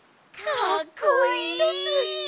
かっこいいです。